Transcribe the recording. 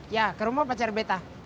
ya ke rumah pacar betah